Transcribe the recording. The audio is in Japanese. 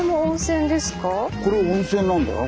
これ温泉なんだな。